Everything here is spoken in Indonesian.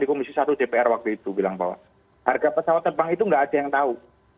komisi satu dpr waktu itu bilang bahwa harga pesawat terbang itu nggak ada yang tahu